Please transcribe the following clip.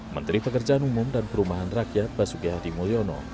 menteri pekerjaan umum dan perumahan rakyat basuki hadi mulyono